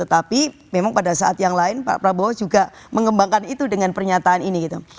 tetapi memang pada saat yang lain pak prabowo juga mengembangkan itu dengan pernyataan ini gitu